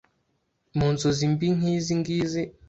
Mu nzozi mbi nkizi ngizi